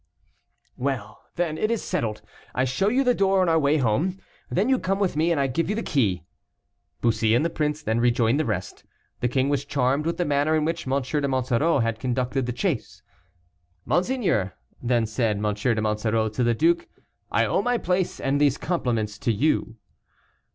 "Well, then, it is settled; I show you the door on our way home; then you come with me, and I give you the key." Bussy and the prince then rejoined the rest. The king was charmed with the manner in which M. de Monsoreau had conducted the chase. "Monseigneur," then said M. de Monsoreau to the duke, "I owe my place and these compliments to you."